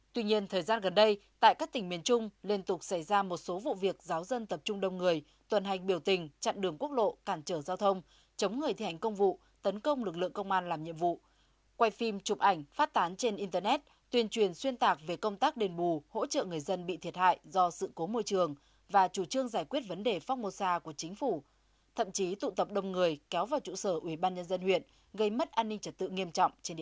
tuy nhiên thời gian gần đây tại các tỉnh miền trung liên tục xảy ra một số vụ việc giáo dân tập trung đông người tuần hành biểu tình chặn đường quốc lộ cản trở giao thông chống người thi hành công vụ tấn công lực lượng công an làm nhiệm vụ quay phim chụp ảnh phát tán trên internet tuyên truyền xuyên tạc về công tác đền bù hỗ trợ người dân bị thiệt hại do sự cố môi trường và chủ trương giải quyết vấn đề phóc mô sa của chính phủ thậm chí tụ tập đông người kéo vào chủ sở ubnd huyện gây mất an ninh trật tự